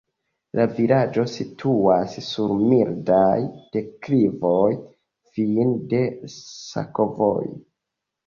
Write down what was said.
La vilaĝo situas sur mildaj deklivoj, fine de sakovojo.